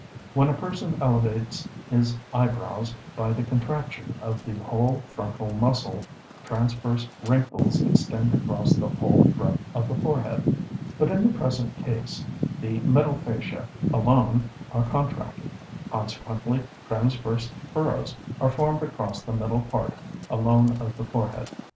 When a person elevates his eyebrows by the contraction of the whole frontal muscle, transverse wrinkles extend across the whole breadth of the forehead; but in the present case the middle fasciae alone are contracted; consequently, transverse furrows are formed across the middle part alone of the forehead.